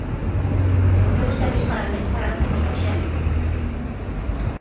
Porque vostedes falan de que falaron con moita xente.